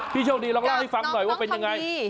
โชคดีลองเล่าให้ฟังหน่อยว่าเป็นยังไง